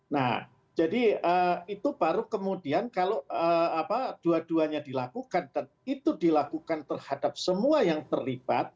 nah jadi itu baru kemudian kalau dua duanya dilakukan dan itu dilakukan terhadap semua yang terlibat